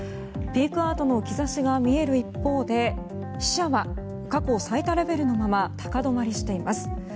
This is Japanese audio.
ピークアウトの兆しが見える一方で死者は過去最多レベルのまま高止まりしています。